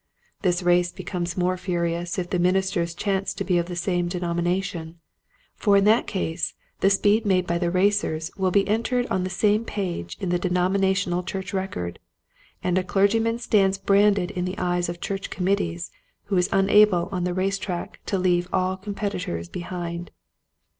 This race becomes more furious if the ministers chance to be of the same denomination, for in that case the speed made by the racers will be entered on the same page in the denominational church record, and a clergyman stands branded in the eyes of church committees who is unable on the race track to leave all Com petitors behind.